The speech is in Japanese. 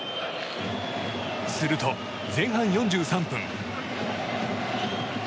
すると前半４３分。